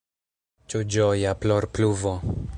Ĉu ĝoja plorpluvo?